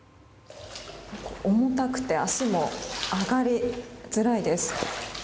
重たくて足も上がりづらいです。